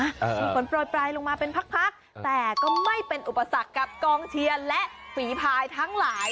มีฝนโปรยปลายลงมาเป็นพักพักแต่ก็ไม่เป็นอุปสรรคกับกองเชียร์และฝีพายทั้งหลาย